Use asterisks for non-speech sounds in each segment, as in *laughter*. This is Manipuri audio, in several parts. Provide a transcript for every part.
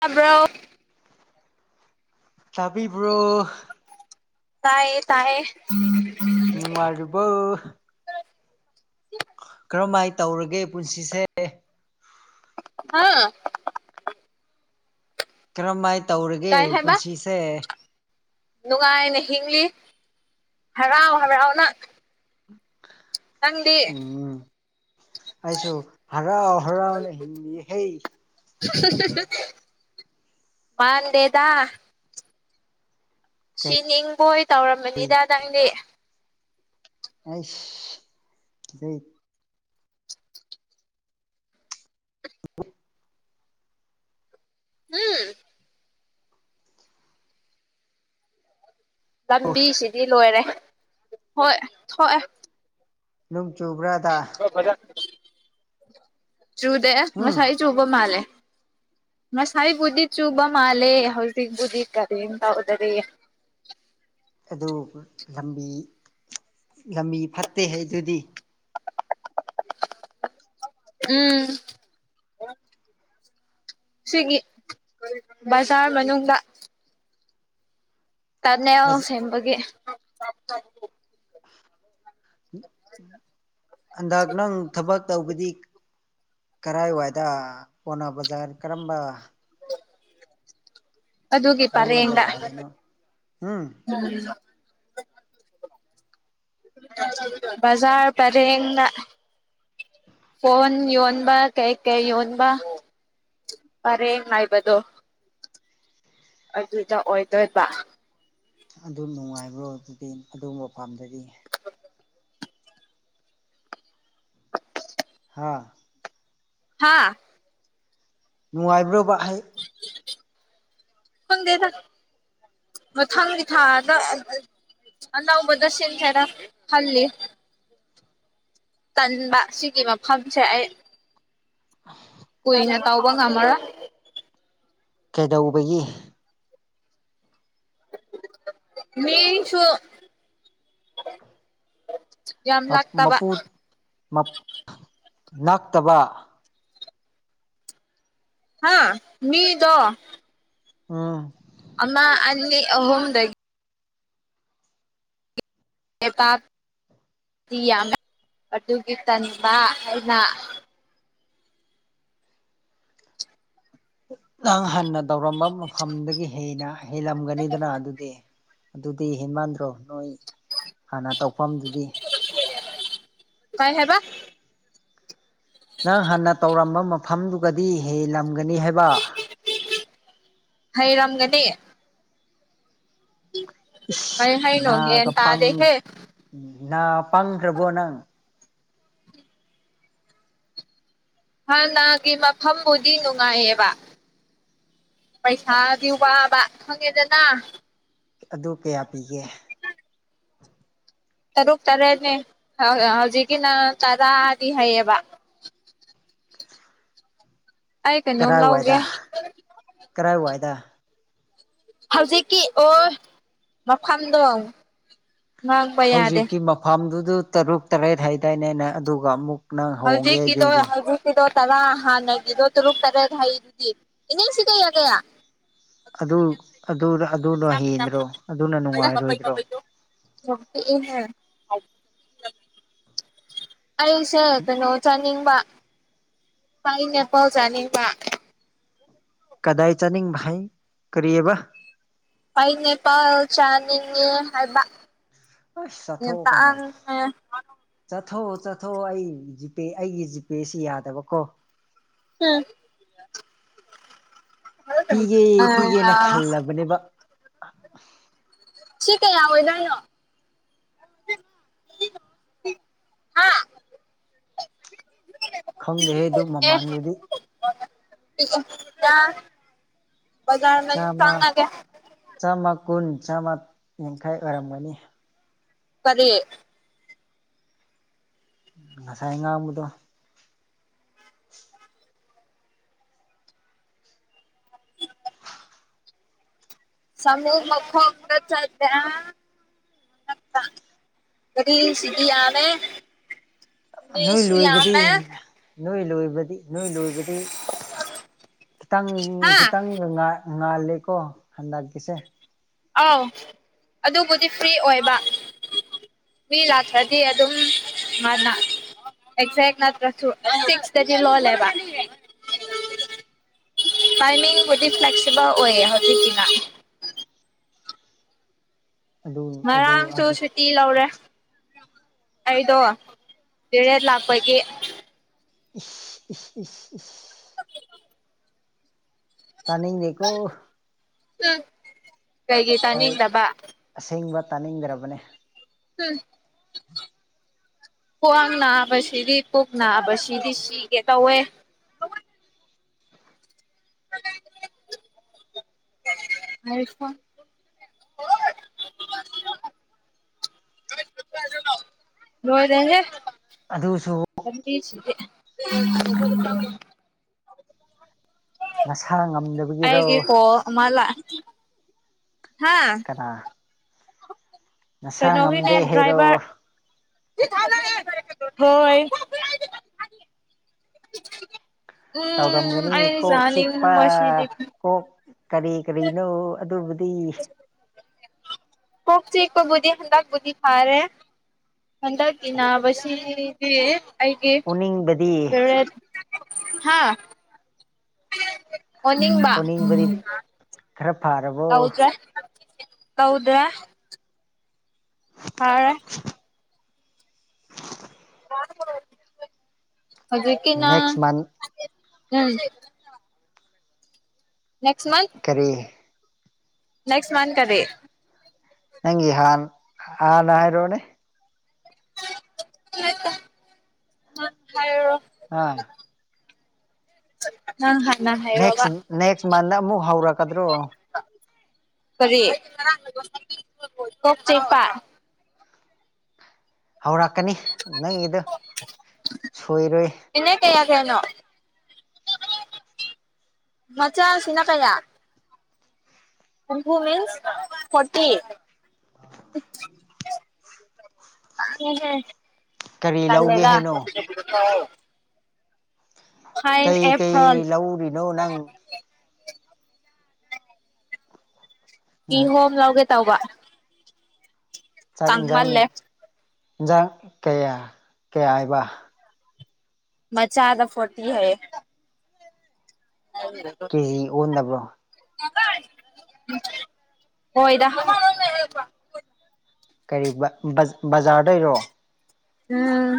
ꯇꯥꯕ꯭ꯔꯣ ꯇꯕꯤꯕ꯭ꯔꯣ ꯇꯥꯏꯑ ꯇꯥꯏꯌꯦ ꯅꯨꯡꯉꯔꯔꯤꯕ ꯀꯔꯝꯍꯥꯏꯅ ꯇꯧꯔꯒꯦ ꯄꯨꯟꯁꯤꯁꯦ ꯍꯥꯥ ꯀꯔꯝꯃꯥꯏꯅ ꯇꯧꯔꯒꯦ ꯇꯥꯏ ꯍꯥꯏꯕ ꯄꯨꯟꯁꯤꯁꯦ ꯅꯨꯡꯉꯥꯏꯅ ꯍꯤꯡꯂꯤ ꯍꯔꯥꯎ ꯍꯔꯥꯎꯅ ꯅꯪꯗꯤ ꯎꯝ ꯑꯩꯁꯨ ꯍꯔꯥꯎ ꯍꯔꯎꯅꯦ ꯍꯤꯟꯏ ꯍꯦ ꯃꯥꯗꯦꯗꯥ ꯁꯤ ꯀꯩ ꯅꯤꯡꯕꯣꯏ ꯇꯧꯔꯝꯕꯅꯤꯗ ꯅꯪꯅꯦ ꯑꯁ *unintelligible* ꯎꯝ ꯂꯝꯕꯤꯁꯤꯗꯤ ꯂꯣꯏꯔꯦ ꯊꯣꯛꯑꯦ ꯊꯣꯛꯑꯦ ꯅꯣꯡ ꯆꯨꯕ꯭ꯔꯥꯗ ꯆꯨꯗꯦ ꯎꯝ ꯉꯥꯁꯥꯏ ꯆꯨꯕ ꯃꯥꯂꯦ ꯃꯁꯥꯏ ꯕꯨꯗꯤ ꯆꯨꯕ ꯃꯥꯂꯦ ꯍꯧꯖꯤꯛ ꯕꯨꯗꯤ ꯀꯔꯤꯦꯟ ꯇꯗꯦ ꯑꯗꯨ ꯂꯝꯕꯤ ꯂꯝꯕꯤ ꯐꯠꯇꯦ ꯍꯥꯏꯗꯨꯗꯤ ꯎꯝ ꯁꯤꯒꯤ ꯕꯖꯥꯔ ꯃꯅꯨꯡꯗ ꯇꯅꯦꯜ ꯕꯖ ꯁꯦꯝꯕꯒꯤ ꯍꯟꯗꯛ ꯅꯪ ꯊꯕꯛ ꯇꯧꯕꯗꯤ ꯀꯔꯥꯏꯋꯥꯏꯗ ꯄꯣꯅ ꯕꯖꯥꯔ ꯀꯔꯝꯕ ꯑꯗꯨꯗꯒꯤ ꯀꯔꯝꯕ ꯄꯔꯦꯗ ꯖꯒꯥꯗꯅꯣ ꯎꯝ ꯕꯖꯔ ꯄꯔꯦꯡ ꯐꯣꯟ ꯌꯣꯟꯕ ꯀꯩ ꯀꯩ ꯌꯣꯟꯕ ꯄꯔꯦꯡ ꯉꯥꯏꯕꯗꯣ ꯑꯗꯨꯗ ꯑꯣꯏꯗꯣꯏꯕ ꯑꯗꯨ ꯅꯨꯡꯉꯥꯏꯕ꯭ꯔ ꯑꯣꯏꯕꯗꯤ ꯑꯗꯨꯒꯕ ꯃꯄꯥꯝꯗꯗꯤ ꯍꯥꯥ ꯍꯥꯥ ꯅꯨꯡꯉꯥꯏꯕ꯭ꯔꯕꯍꯩ ꯈꯪꯗꯦꯗꯥ ꯃꯊꯪꯡ ꯊꯥꯗ ꯑꯅꯕꯗꯁꯦꯟ ꯈꯔ ꯍꯂꯦ ꯇꯟꯕ ꯁꯤꯒꯤ ꯃꯐꯝꯁꯦ ꯑꯩ *unintelligible* ꯀꯨꯏꯅꯦ ꯇꯥꯎꯕ ꯑꯃꯔ ꯀꯩꯗꯧꯕꯒꯤ ꯃꯤꯁꯨ ꯌꯥꯝ ꯂꯥꯛꯇꯕ ꯃꯄꯨ ꯅꯛꯇꯕ ꯍꯥ ꯃꯤꯗꯣ ꯎꯝ ꯑꯃ ꯑꯅꯤ ꯑꯍꯣꯝꯗ ꯒꯤ ꯌꯥꯝꯃꯦ ꯑꯗꯨꯒꯤ ꯇꯅꯤꯡꯕ ꯍꯥꯏꯅ ꯅꯪ ꯍꯟꯅ ꯇꯧꯔꯝꯕ ꯃꯐꯝꯗꯒꯤ ꯍꯟꯅ ꯍꯦꯜꯂꯝꯒꯅꯤꯗꯅ ꯑꯗꯨꯗꯤ ꯑꯗꯨꯗꯤ ꯍꯦꯟꯃꯥꯟꯗ꯭ꯔꯣ ꯅꯣꯏ ꯍꯥꯟꯅ ꯇꯧꯐꯝꯗꯨꯗꯤ ꯀꯥꯏ ꯍꯕ ꯅꯪ ꯍꯥꯟꯅ ꯇꯧꯔꯝꯕ ꯃꯐꯝꯗꯨꯒꯗꯤ ꯍꯦꯂꯝꯒꯅꯤ ꯍꯥꯏꯕ ꯍꯩꯔꯝꯒꯦꯗꯤꯦ ꯏꯁ ꯀꯩ ꯍꯩꯅꯣ ꯒ꯭ꯌꯥꯟ ꯅꯥꯒ ꯇꯥꯗꯦꯍꯦ ꯅꯥ ꯄꯥꯡꯈ꯭ꯔꯕꯣ ꯅꯪ ꯍꯥꯟꯅꯒꯤ ꯃꯐꯝꯕꯨꯗꯤ ꯅꯨꯡꯉꯥꯏꯌꯦꯕ ꯄꯩꯁꯥꯒꯤ ꯋꯥꯕ ꯈꯪꯉꯦꯗꯅ ꯑꯗꯨ ꯀꯌꯥ ꯄꯤꯒꯦ ꯇꯔꯨꯛ ꯇꯔꯦꯠꯅꯦ ꯍꯧꯖꯤꯛꯀꯤꯅ ꯇꯔꯥꯗꯤ ꯍꯩꯌꯦꯕ꯫ ꯑꯩ ꯀꯩꯅꯣꯝ ꯀꯔꯥꯏ ꯂꯧꯒꯦ ꯋꯥꯏꯗ ꯀꯔꯥꯏ ꯋꯥꯏꯗ ꯍꯧꯖꯤꯛꯀꯤ ꯑꯣ ꯃꯐꯝꯗꯣ ꯉꯥꯡꯕ ꯌꯥꯗꯦ ꯍꯧꯖꯤꯛꯀꯤ ꯃꯐꯝꯗꯨꯗ ꯇꯔꯨꯛ ꯇꯔꯦꯠ ꯍꯥꯏꯗꯥꯏꯅꯦꯅꯦ ꯑꯗꯨꯒ ꯑꯃꯨꯛ ꯅꯪ ꯍꯧꯖꯤ ꯍꯣꯡꯒꯦ ꯀ ꯇꯣ ꯍꯥꯏꯗꯨꯗꯤ ꯍꯧ ꯗꯣ ꯇꯔꯥ ꯍꯥꯟꯅꯒꯗꯣ ꯇꯔꯨꯛ ꯇꯔꯦꯒ ꯍꯥꯏꯩꯗꯨꯗꯤ ꯏꯅ ꯁꯤ ꯀꯌꯥ ꯀꯌꯥ ꯑꯗꯨ ꯑꯗꯨꯗꯣ ꯍꯦꯟꯗ꯭ꯔꯣ ꯑꯗꯨꯅ ꯅꯨꯡꯉꯥꯏꯔꯣꯏꯗ꯭ꯔꯣ *inaudible* ꯑꯩꯁꯦ ꯀꯩꯅꯣ ꯆꯥꯅꯤꯡꯕ ꯄꯥꯏꯅꯦꯄꯜ ꯆꯥꯅꯤꯡꯕ ꯀꯗꯥꯏ ꯆꯠꯅꯤꯡ ꯥꯏ ꯀꯔꯤꯕ ꯄꯅꯦ ꯄꯥꯎ ꯆꯥꯅꯤꯡꯉꯅꯦ ꯍꯥꯏꯕ ꯑꯁ ꯆꯠꯊꯣꯛꯑꯣ ꯀꯩꯅꯣ ꯉꯇꯥꯛ ꯆꯠꯊꯣꯛꯑꯣ ꯆꯠꯊꯣꯛꯑꯣ ꯑꯩ ꯖꯤꯄꯦ ꯑꯩꯒꯤ ꯖꯤꯄꯦꯁꯤ ꯌꯥꯗꯕꯀꯣ ꯎꯝ ꯄꯤꯒꯦ ꯄꯤꯒꯦꯅ ꯑ ꯈꯜꯂꯕꯅꯦꯕ ꯁꯤ ꯀꯌꯥ ꯑꯣꯏꯗꯣꯏꯅꯣ ꯍꯥꯥ ꯎ ꯈꯪꯗꯦꯍꯦ ꯑꯗꯨ ꯃꯃꯥꯟꯗꯨꯗꯤ ꯀ ꯖꯔ ꯃ ꯆꯥꯝꯃ ꯆꯥꯡ ꯀ ꯆꯥꯝꯃ ꯀꯨꯟ ꯆꯥꯝꯃ ꯌꯥꯡꯈꯥꯏ ꯑꯣꯏꯔꯝꯒꯅꯤ ꯄꯗꯤꯦ ꯉꯁꯥꯏ ꯉꯥꯡꯕꯗꯣ ꯁꯃꯨꯛ ꯃ ꯈꯣꯡꯒ ꯆꯗ ꯀ ꯁꯤꯒꯤ ꯌꯥꯅꯦꯦ ꯑ ꯅꯣꯏ ꯂꯣꯏꯕꯗꯤ ꯁꯌꯥꯃ ꯅꯣꯏ ꯂꯣꯏꯕꯗꯤ ꯅꯣꯏ ꯂꯣꯏꯕꯗꯤ ꯈꯤꯇꯪ ꯍꯥ ꯈꯤꯇꯪ ꯉꯥꯜꯂꯤꯦꯀꯣ ꯍꯟꯗꯛꯀꯤꯁꯦ ꯑꯥꯎ ꯑꯗꯨꯕꯨꯗꯤ ꯐ꯭ꯔꯤ ꯑꯣꯏꯕ ꯃꯤ ꯂꯥꯛꯇ꯭ꯔꯗꯤ ꯑꯗꯨꯝ ꯃꯥꯅ ꯑꯦꯛꯖꯦꯛ ꯅꯠꯇ꯭ꯔ ꯁꯤꯁ ꯂꯣ ꯂꯦꯕ ꯇꯥꯏꯃꯤꯡ ꯍꯧꯗꯤꯛ ꯐ꯭ꯂꯦꯛꯁꯤꯕꯜ ꯑꯣꯏꯌꯦ ꯍꯧꯖꯤꯛꯤꯅ ꯑꯗꯨ ꯑꯗꯨ ꯉꯔꯝ ꯆꯧ ꯑꯗꯨ ꯇꯤ ꯂꯧꯔꯦ ꯑꯩꯗꯣ ꯇꯔꯦꯠ ꯂꯥꯛꯄꯒꯤ ꯇꯅꯤꯡꯗꯤꯀꯣ ꯎ ꯀꯩꯒꯤ ꯑꯩ ꯇꯅꯤꯗꯕ ꯑꯁꯦꯡꯕ ꯇꯥꯅꯤꯡꯗ꯭ꯔꯕꯅꯤ ꯎꯝ ꯈ꯭ꯋꯥꯡ ꯅꯥꯕꯁꯤꯗꯤ ꯄꯨꯛ ꯅꯥꯕꯁꯤꯗꯤ ꯁꯤꯒꯦ ꯇꯧꯋꯦ *unintelligible* *unintelligible* ꯂꯣꯢꯔꯦꯍꯦ ꯑꯗꯨꯁꯨ *inaudible* ꯅꯁꯥ ꯉꯝꯗꯕ ꯑꯩꯒꯤ ꯀꯣꯜ ꯑꯃ ꯂꯥꯑꯦ ꯍꯥ ꯑ ꯀꯩꯅꯣꯒꯤꯅꯦ ꯉꯝꯗꯦ ꯍꯩꯔꯣ ꯗ꯭ꯔꯥꯏꯕꯔ ꯍꯣꯏ ꯎꯝ ꯇꯧꯔꯝꯒꯅꯤ ꯑꯩ ꯀꯣꯛ ꯆꯤꯛꯄ ꯆꯥꯅꯤꯡꯕꯁꯤꯗꯤ ꯀꯣꯛ ꯀꯔꯤ ꯀꯔꯤꯅꯣ ꯑꯗꯨꯕꯨꯗꯤ ꯀꯣꯛ ꯆꯤꯛꯄꯕꯨꯗꯤ ꯍꯟꯗꯛ ꯐꯔꯦ ꯍꯟꯗꯛ ꯇꯤꯟꯅꯕꯁꯤꯗꯤ ꯑꯩꯒꯤ ꯑꯣꯅꯤꯡꯕꯗꯤ ꯔꯦꯗ ꯍꯥ ꯑꯣꯅꯤꯡꯕ ꯑꯣꯅꯤꯡꯕꯗꯤ ꯈꯔ ꯐꯔꯕꯣ ꯇꯧꯗ꯭ꯔꯦ ꯇꯧꯗ꯭ꯔꯦ ꯐꯔꯦ *unintelligible* *unintelligible* ꯍꯧꯖꯤꯛꯀꯤꯅ ꯅꯦꯛꯁ ꯃꯟ *unintelligible* ꯅꯦꯛꯁ ꯃꯟꯊ ꯀꯔꯤ ꯅꯦꯛꯁ ꯃꯟ ꯀꯔꯤ ꯅꯪꯒꯤ ꯍꯥꯟ ꯍꯥꯟꯅ ꯍꯥꯏꯔꯣꯅꯦ ꯍꯥꯏꯔꯔꯣ ꯑꯥ ꯅꯪ ꯍꯥꯟꯅ ꯍꯥꯏꯔꯣꯕ ꯅꯦꯛꯁ ꯅꯦꯛꯁ ꯃꯟꯗ ꯑꯃꯨꯛ ꯍꯧꯔꯛꯀꯗ꯭ꯔꯣ ꯀꯔꯤ ꯀꯣꯛ ꯆꯤꯛꯄ ꯍꯧꯔꯛꯀꯅꯤ ꯅꯪꯒꯤꯗꯣ ꯁꯣꯏꯔꯣꯏ ꯏꯅꯦ ꯀꯌꯥ ꯀꯌꯥꯅꯣ ꯃꯆꯥꯁꯤꯅ ꯀꯌꯥ ꯍꯨꯝꯐꯨ ꯃꯤꯟꯁ ꯐꯣꯔꯇꯤ ꯂꯥꯡꯢꯍꯦ ꯀꯔꯤ ꯂꯧꯒꯦ ꯇꯜꯂꯦꯗ ꯍꯥꯏꯅꯣ *unintelligible* ꯐꯥꯏꯟ ꯀꯩ ꯑꯦ ꯐꯣꯟ ꯀꯩ ꯂꯧꯔꯤꯅꯣ ꯅꯪ ꯀꯤ ꯍꯣꯝ ꯂꯧꯒꯦ ꯇꯧꯕ ꯆꯥꯛ ꯑꯦꯟꯖꯥꯡ ꯇꯥꯡꯃꯜꯂꯦ ꯑꯦꯟꯖꯥꯡ ꯀꯌꯥ ꯀꯌꯥ ꯍꯥꯏꯕ ꯃꯆꯥꯥꯗ ꯐꯣꯔꯇꯤ ꯍꯥꯢꯌꯦ *unintelligible* ꯍꯌꯦꯡ ꯑꯣꯟꯅꯕ꯭ꯔꯣ ꯍꯣꯏꯗ ꯍ ꯀꯔꯤ ꯕ ꯕꯖꯥꯔꯗꯩꯔꯣ ꯎꯝ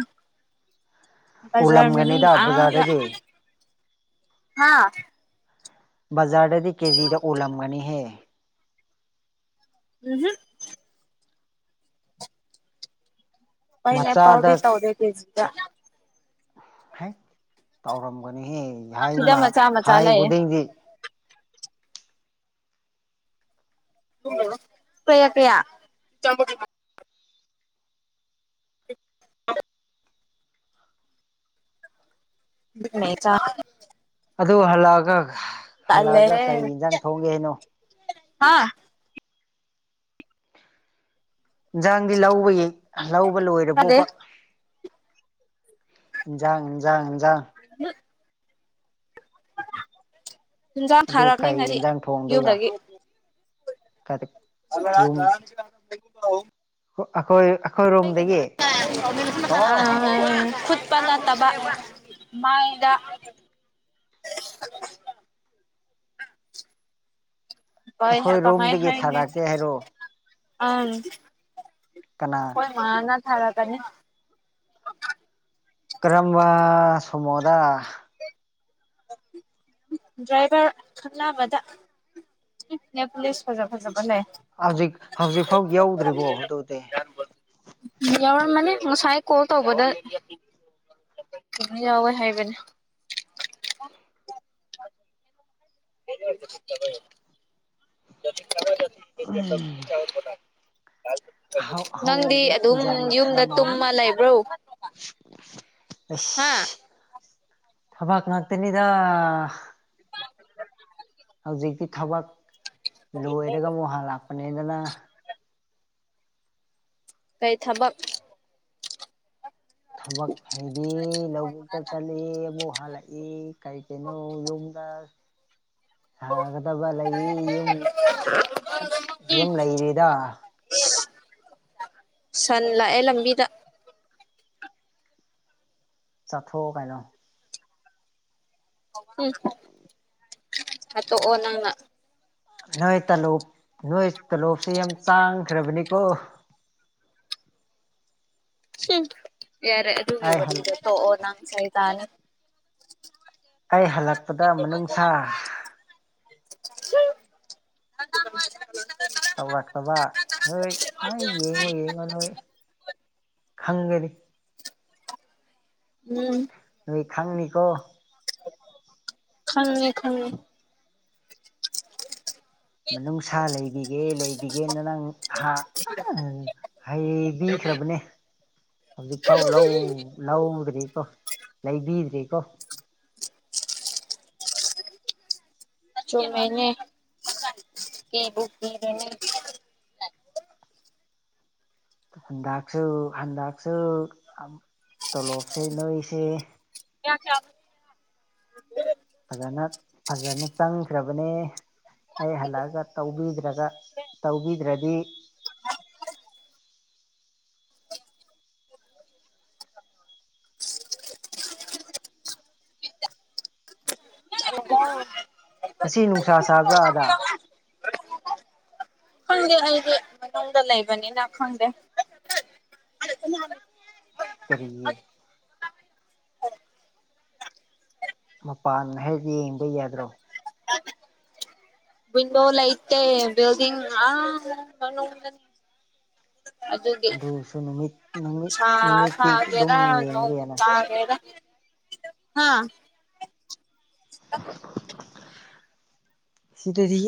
ꯕꯖꯔ ꯃꯅꯨꯡ ꯑꯣꯜꯂꯝꯒꯅꯤꯗ ꯑꯥꯗ ꯕꯖꯥꯔꯗꯗꯤ ꯍꯥꯥ ꯕꯖꯥꯔꯗꯗꯤ ꯀꯦꯖꯤꯗ ꯎꯜꯂꯝꯒꯅꯤꯍꯦ ꯎꯝ ꯃꯆꯥꯗ ꯄꯥꯢꯅꯦꯄꯜꯗꯤ ꯇꯧꯗꯦ ꯀꯦꯖꯤꯗ ꯍꯥꯢ ꯁꯤꯗ ꯇꯧꯔꯝꯒꯅꯤꯍꯦꯃ ꯃꯆꯥ ꯃꯆꯥ ꯍꯥꯏ ꯂꯩꯌꯦ ꯈꯨꯗꯤꯡꯗꯤ ꯀꯌꯥ ꯀꯌꯥ *unintelligible* ꯆ *unintelligible* ꯑꯗꯨ ꯍꯜꯂꯛꯑꯒ ꯍꯜꯂꯛꯑꯒ ꯀꯔꯤ ꯌꯦꯟꯖꯥꯡ ꯊꯣꯡꯒꯦ ꯍꯥꯏꯅꯣ ꯍꯥꯥ ꯏꯟꯁꯥꯡꯗꯤ ꯂꯧꯕ ꯌꯦ ꯂꯧꯕ ꯂꯣꯏꯔꯦ ꯇꯥꯗꯦ ꯄꯣꯄ ꯏꯟꯖꯥꯡ ꯏꯟꯖꯥꯡ ꯏꯟꯖꯥꯡ ꯎ ꯨꯏꯟꯖꯥꯡ ꯑꯗꯨ ꯊꯥꯔꯕꯅꯤ ꯀꯩ ꯉꯁꯤ ꯌꯦꯟꯖꯥꯡ ꯊꯣꯡꯗꯣꯏꯕ ꯌꯨꯝꯗꯒꯤ ꯌꯨꯝ *unintelligible* ꯑꯩꯈꯣꯏ ꯑꯩꯈꯣꯏꯔꯣꯝꯗꯒꯤ ꯈꯨꯠ ꯄꯜꯂꯠꯇꯕ ꯃꯥꯏꯗ *inaudible* ꯍꯣꯏ ꯀꯃꯥꯏ ꯑꯩꯈꯣꯏꯔꯣꯝꯗꯒꯤ ꯍꯥꯏꯅꯦ ꯊꯥꯔꯛꯀꯦ ꯍꯥꯏꯔꯣ ꯀꯅꯥ ꯑꯈꯣꯏ ꯃꯥꯅꯥ ꯊꯥꯔꯛ ꯀꯅꯤ ꯀꯔꯝꯕ ꯁꯃꯣꯗ ꯗ꯭ꯔꯥꯏꯚꯔ ꯈꯅꯥꯕꯗ ꯅꯦ ꯄꯨꯂꯤꯁ ꯐꯖ ꯐꯖꯕ ꯂꯩꯦ ꯍꯧꯖꯤꯛ ꯍꯧꯖꯤꯛ ꯐꯥꯎ ꯌꯧꯗ꯭ꯔꯤꯕꯣ ꯑꯗꯨꯗꯤ ꯌꯥꯎꯔꯝꯃꯅꯤ ꯉꯁꯥꯏ ꯀꯣꯜ ꯇꯧꯕꯗ ꯑꯗꯨ ꯌꯥꯎꯋꯦ ꯍꯥꯏꯕꯅꯦ ꯑ *inaudible* *inaudible* ꯎꯝ ꯅꯪꯗꯤ ꯑꯍꯧꯕ ꯑꯗꯨꯝ ꯌꯨꯝꯗ ꯇꯨꯝꯃ ꯂꯩꯕ꯭ꯔꯣ ꯑ *inaudible* ꯍꯥ ꯊꯕꯥꯛ ꯉꯥꯛꯇꯅꯤꯗ ꯍꯧꯖꯤꯛꯇꯤ ꯊꯕꯛ ꯂꯣꯏꯔꯒ ꯑꯃꯨꯛ ꯍꯥꯟ ꯂꯥꯛꯄꯅꯦꯗꯅ ꯀꯩ ꯊꯕꯛ ꯊꯕꯛ ꯍꯩꯗꯤ ꯂꯧꯕꯨꯛꯇ ꯆꯠꯂꯤ ꯑꯃꯨꯛ ꯍꯜꯂꯛꯏ ꯀꯔꯤ ꯀꯩꯅꯣ ꯌꯨꯝꯗ *inaudible* ꯁꯥꯒꯗꯕ ꯂꯩ ꯌꯨꯝ ꯌꯨꯝ ꯂꯩꯔꯤꯗ ꯁꯟ ꯂꯥꯛꯑꯦ ꯂꯝꯕꯤꯗ ꯆꯠꯊꯣꯛꯑꯣ ꯀꯩꯅꯣ ꯎ ꯍꯥꯠꯇꯣꯛꯑꯣ ꯅꯪꯅ ꯅꯣꯏ ꯇꯥꯂꯣꯞ ꯅꯣꯏ ꯇꯥꯂꯣꯞꯁꯤ ꯌꯥꯝ ꯆꯥꯡꯈ꯭ꯔꯕꯅꯤꯀꯣ ꯌꯥꯔꯦ ꯑꯗꯨꯨꯒꯤ ꯑꯩ ꯍꯜ ꯋꯔꯤꯗꯣ ꯇꯣꯛꯑꯣ ꯅꯪ ꯑꯩ ꯍꯜꯂꯛꯄꯗ ꯃꯅꯨꯡꯁꯥ *inaudible* ꯇꯧꯔꯛꯇꯕ ꯍꯣꯏ ꯑꯩ ꯌꯦꯡꯉꯣ ꯌꯦꯡꯉꯣ ꯅꯣꯏ ꯈꯪꯒꯅꯤ ꯎꯝ ꯅꯣꯏ ꯈꯪꯅꯤꯀꯣ ꯈꯪꯉꯦ ꯈꯪꯉꯦ ꯅꯨꯡꯁꯥ ꯂꯩꯕꯤꯒꯦ ꯂꯩꯕꯤꯒꯦꯅ ꯅꯪ ꯍ ꯄꯤꯈ꯭ꯔꯕꯅꯦ ꯍꯧꯖꯤꯛꯐꯥꯎ ꯂꯧ ꯂꯧꯗ꯭ꯔꯤꯀꯣ ꯂꯩꯕꯤꯗ꯭ꯔꯤꯀꯣ ꯃꯅꯦ ꯀꯕꯨꯅꯤ ꯍꯟꯗꯛꯁꯨ ꯍꯟꯗꯛꯁꯨ ꯇꯣꯂꯣꯞꯁꯦ ꯅꯣꯏꯁꯦ ꯀ ꯐꯖꯅ ꯐꯖꯅ ꯆꯪꯈ꯭ꯔꯕꯅꯦ ꯑꯩ ꯍꯜꯂꯛꯑꯒ ꯇꯧꯕꯤꯗ꯭ꯔꯒ ꯇꯧꯕꯤꯗ꯭ꯔꯗꯤ *inaudible* *inaudible* ꯉꯁꯤ ꯅꯨꯡꯁꯥ ꯆꯥꯕ꯭ꯔꯥ ꯑꯗꯥ ꯈꯪꯗꯦ ꯑꯩꯗꯤ ꯃꯅꯨꯡꯗ ꯂꯩꯕꯅꯤꯅ ꯈꯪꯗꯦ ꯀꯔꯤꯒꯤ ꯃꯄꯥꯟ ꯍꯥꯛ ꯌꯦꯡꯕ ꯌꯥꯗ꯭ꯔꯣ *inaudible* ꯋꯤꯟꯗꯣ ꯂꯩꯇꯦꯕꯤꯜꯗꯤꯡ ꯑ ꯑꯗꯨꯗꯤ ꯑꯗꯨꯁꯨ ꯅꯨꯃꯤꯠ ꯅꯨꯃꯤꯠ ꯁꯥ ꯅꯨꯃꯤꯠꯇꯤ ꯑꯗꯨꯝ ꯁꯥꯒꯦꯔ ꯅꯣꯡ ꯌꯦꯡꯒꯦꯅ ꯇꯒꯦꯔ ꯍꯥꯥ ꯁꯤꯇꯗꯤ